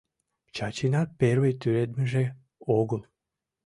Чачинат первый тӱредмыже огыл.